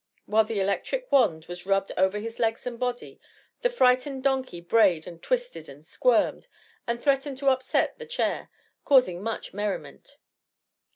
While the electric wand was rubbed over his legs and body, the frightened donkey brayed and twisted and squirmed, and threatened to upset the chair, causing much merriment.